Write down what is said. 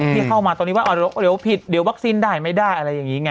ที่เข้ามาตอนนี้ว่าเดี๋ยวผิดเดี๋ยววัคซีนได้ไม่ได้อะไรอย่างนี้ไง